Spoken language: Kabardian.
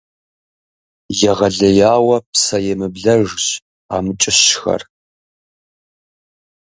Егъэлеяуэ псэемыблэжщ амкӀыщхэр.